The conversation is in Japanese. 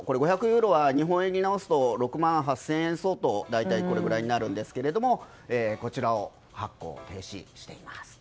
５００ユーロは日本円に直すと６万８０００円相当大体これぐらいになるんですがこちらを発行停止しています。